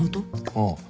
ああ。